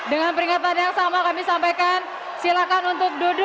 dengan peringatan yang sama kami sampaikan